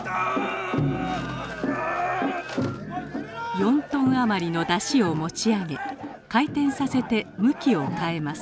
４トン余りの山車を持ち上げ回転させて向きを変えます。